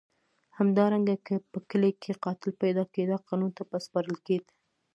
همدارنګه که په کلي کې قاتل پیدا کېده قانون ته به سپارل کېد.